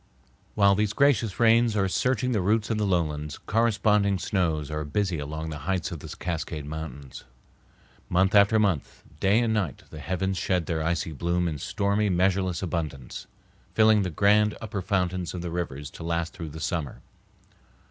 While these gracious rains are searching the roots of the lowlands, corresponding snows are busy along the heights of the Cascade Mountains. Month after month, day and night the heavens shed their icy bloom in stormy, measureless abundance, filling the grand upper fountains of the rivers to last through the summer.